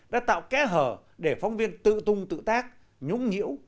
đã tạo kẽ hở để phóng viên tự tung tự tác nhũng nhiễu